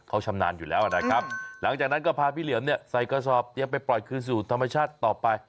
เขาชำนาญอยู่แล้วนะครับหลังจากนั้นก็พาพี่เหลี่ยมเนี่ยใส่กระสอบเตรียมไปปล่อยคืนสู่ธรรมชาติต่อไป